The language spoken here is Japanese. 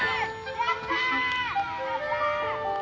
やった！